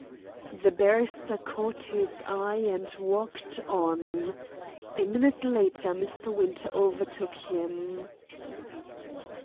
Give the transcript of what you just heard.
The barrister caught his eye and walked on. A minute later Mr. Winter overtook him.